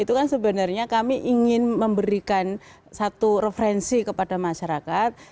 itu kan sebenarnya kami ingin memberikan satu referensi kepada masyarakat